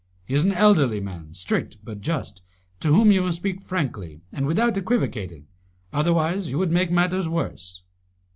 He is an elderly man, strict but just, to whom you must speak frankly and without equivocating, otherwise you would make matters worse."